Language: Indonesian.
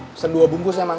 pesen dua bungkus ya mang